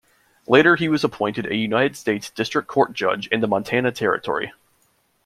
Later he was appointed a United States District Court judge in the Montana Territory.